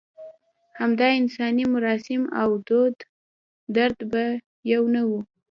همدا انساني مراسم او درد به یو نه و.